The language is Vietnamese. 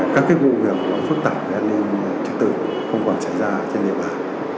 các cái vụ việc phức tạp an ninh trật tự không còn xảy ra trên địa bàn